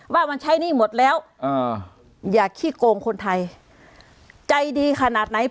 ว่ามันใช้หนี้หมดแล้วอ่าอย่าขี้โกงคนไทยใจดีขนาดไหน